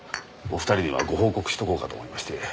お二人にはご報告しとこうかと思いまして。